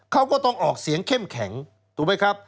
เขาก็ต้องออกเสียงเข้มแข็งถูกไหมครับ